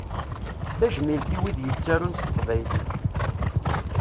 Tajmilt i wid yettarun s teqbaylit.